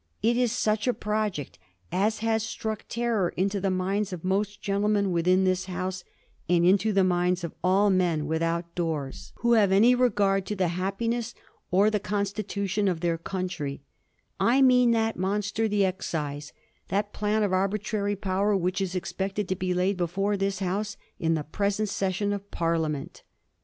It is such a project as has struck terror into the minds of most gentlemen within this House, and into the minds of all men without doors Digiti zed by Google 414 A HISTORY OF THE FOUR GEORGES. ch. xx. who have any regard to the happiness or to the con stitution of their country. I mean that monster the excise ; that plan of arbitrary power which is ex pected to be laid before this House in the present session of Parliament.'